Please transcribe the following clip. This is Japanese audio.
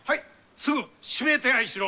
すぐ指名手配しろ！